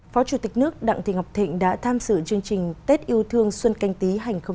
phó chủ tịch nước đặng thị ngọc thịnh đã tham dự chương trình tết yêu thương xuân canh tí hai nghìn hai mươi